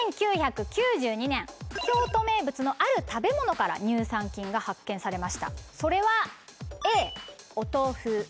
１９９２年京都名物のある食べ物から乳酸菌が発見されました。